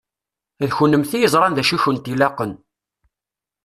D kennemti i yeẓṛan d acu i kent-ilaqen.